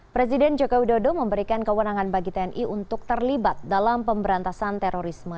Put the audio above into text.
presiden jokowi dodo memberikan kewenangan bagi tni untuk terlibat dalam pemberantasan terorisme